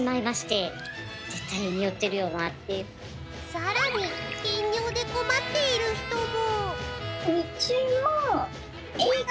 さらに頻尿で困っている人も。